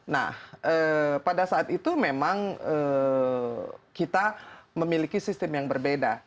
nah pada saat itu memang kita memiliki sistem yang berbeda